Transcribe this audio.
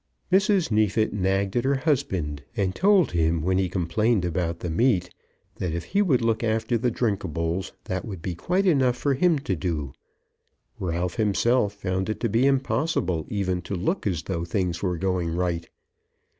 Mrs. Neefit nagged at her husband, and told him when he complained about the meat, that if he would look after the drinkables that would be quite enough for him to do. Ralph himself found it to be impossible even to look as though things were going right.